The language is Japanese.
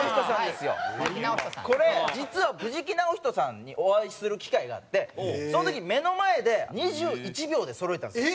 これ実は藤木直人さんにお会いする機会があってその時に目の前で２１秒でそろえたんですよ